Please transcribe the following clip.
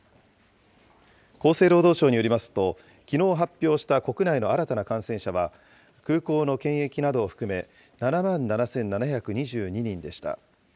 厚生労働省によりますと、きのう発表した国内の新たな感染者は、空港の検疫などを含め、７万７７２２人でした。